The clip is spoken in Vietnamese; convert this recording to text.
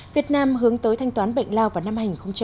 việt nam hướng tới thanh toán bệnh lao vào năm hai nghìn ba mươi